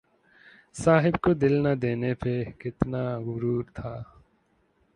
صاحب کو دل نہ دینے پہ کتنا غرور تھا